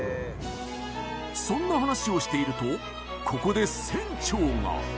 そんな話をしているとここで船長が。